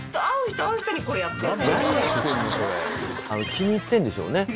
気に入ってんでしょうね。